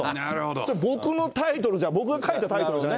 それ、僕のタイトルじゃない、僕が書いたタイトルじゃない。